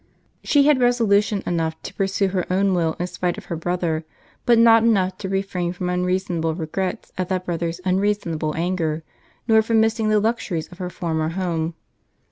She had resolution enough to pursue her own will in spite of her brother, but not enough to refrain from unreasonable regrets at that brother's unreasonable anger, nor from missing the luxuries of her former home.